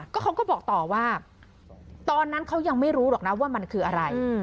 เขาก็บอกต่อว่าตอนนั้นเขายังไม่รู้หรอกนะว่ามันคืออะไร